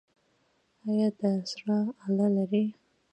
ایا د زړه آله لرئ؟